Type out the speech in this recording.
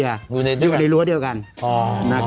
อยู่ในรั้วเดียวกัน